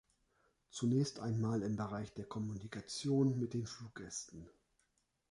Zunächst einmal im Bereich der Kommunikation mit den Fluggästen.